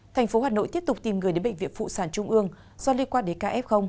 thành phố hà nội tiếp tục tìm người đến bệnh viện phụ sản trung ương do liên quan đến ca f